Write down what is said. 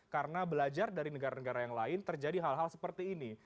karena belajar dari negara negara yang lain terjadi hal hal seperti ini